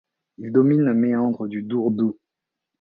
Il domine un méandre du Dourdou.